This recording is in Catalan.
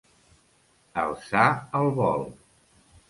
Alçar el vol.